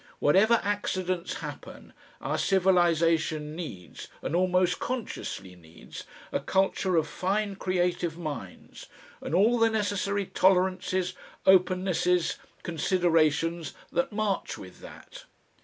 Whatever accidents happen, our civilisation needs, and almost consciously needs, a culture of fine creative minds, and all the necessary tolerances, opennesses, considerations, that march with that.